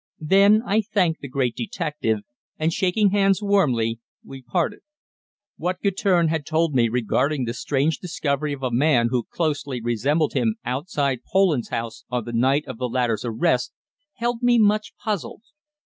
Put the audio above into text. Then I thanked the great detective, and, shaking hands warmly, we parted. What Guertin had told me regarding the strange discovery of a man who closely resembled him outside Poland's house on the night of the latter's arrest held me much puzzled.